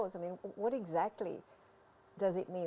saya biasanya berada di belakang kelas